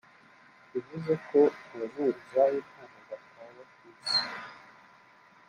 bivuze ko Abazunguzayi ntaho bataba ku isi